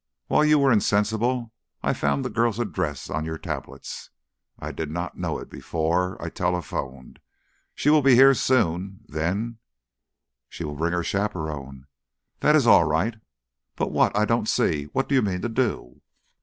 "While you were insensible I found the girl's address on your tablets. I did not know it before. I telephoned. She will be here soon. Then " "She will bring her chaperone." "That is all right." "But what ? I don't see. What do you mean to do?"